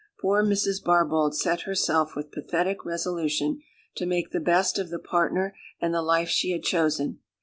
Poor Mrs. Barbauld set herself with pathetic resolution to make the best of the partner and the life she had chosen.